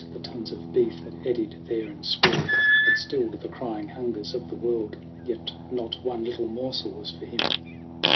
The tons of beef, that eddied there and swirled, Had stilled the crying hungers of the world, Yet not one little morsel was for him.